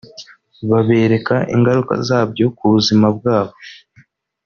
babereka ingaruka zabyo ku buzima bwabo